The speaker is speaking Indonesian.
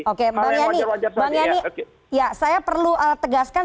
oke bang yani